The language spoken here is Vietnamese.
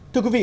thưa quý vị